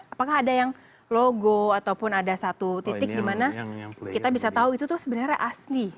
apakah ada yang logo ataupun ada satu titik dimana kita bisa tahu itu tuh sebenarnya asli